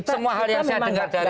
semua hal yang saya dengar dari